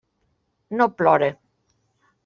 No plore.